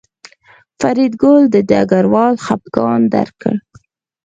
فریدګل د ډګروال خپګان درک کړ